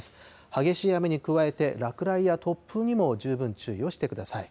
激しい雨に加えて、落雷や突風にも十分注意をしてください。